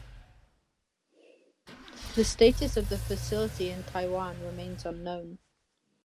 The status of the facility in Taiwan remains unknown.